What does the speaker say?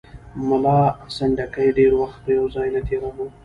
ملا سنډکي ډېر وخت په یو ځای نه تېراوه.